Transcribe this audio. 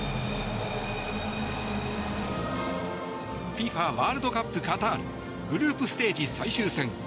ＦＩＦＡワールドカップカタールグループステージ最終戦。